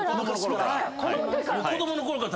子供のときから？